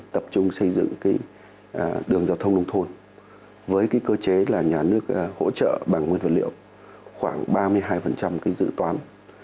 tỉnh đã tập trung xây dựng đường giao thông nông thôn với cơ chế nhà nước hỗ trợ bằng nguyên vật liệu khoảng ba mươi hai dự toán